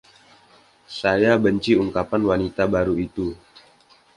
Saya benci ungkapan Wanita Baru itu.